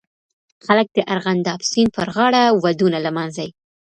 خلک د ارغنداب سیند پرغاړه ودونه لمانځي.